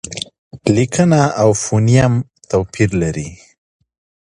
لیکنه او فونېم توپیر لري.